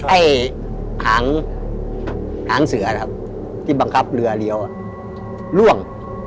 ไอ้หางหางเสือนะครับที่บังคับเรือเลี้ยวล่วง